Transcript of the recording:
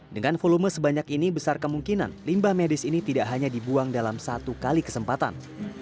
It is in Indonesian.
dengan volume sebanyak ini besar kemungkinan limbah medis ini tidak hanya dibuang dalam satu kali kesempatan